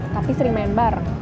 tapi sering main bar